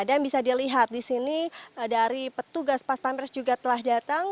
dan bisa dilihat di sini dari petugas pas pamer juga telah datang